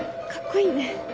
いいね。